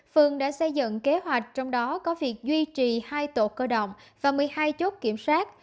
phường đã xây dựng kế hoạch trong đó có việc duy trì hai tổ cơ động và một mươi hai chốt kiểm soát